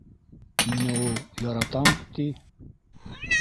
Мине ул... яратам, ти!